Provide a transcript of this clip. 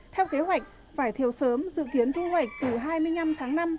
theo kế hoạch vải thiều sớm dự kiến thu hoạch từ hai mươi năm tháng năm